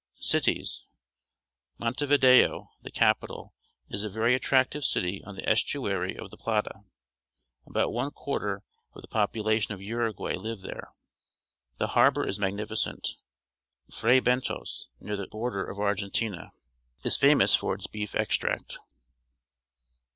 Cities. — Montevideo, the capital, is a very attractive city on the estuary of the Plata. About one quarter of the population of 156 PUBLIC SCHOOL GEOGRAPHY Uruguay live there. The harbour is magnifi cent. Fray Bentos, near the border of Argentina, is famous for its beef extract.